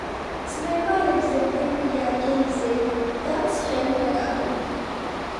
მწვერვალებზე ბევრია გეიზერი და ცხელი ნაკადული.